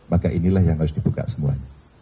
maka inilah yang harus dibuka semuanya